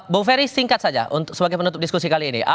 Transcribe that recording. bung ferry singkat saja sebagai penutup diskusi kali ini